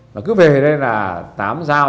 mà cứ về đây là tám giao